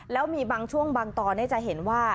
แล้วมีบางช่วงบางตอนจะเห็นว่า